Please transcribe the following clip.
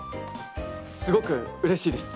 すごくうれしいです。